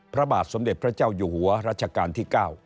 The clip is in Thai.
พระบาทสมเด็จพระเจ้าอยู่หัวรัชกาลที่๙